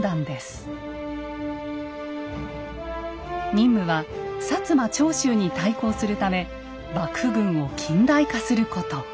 任務は摩・長州に対抗するため幕府軍を近代化すること。